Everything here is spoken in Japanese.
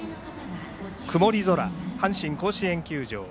曇り空、阪神甲子園球場。